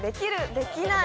できない？』。